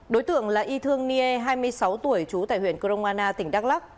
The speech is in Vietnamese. đối tượng là y thương nie hai mươi sáu tuổi trú tại huyện cronwana tỉnh đắk lắc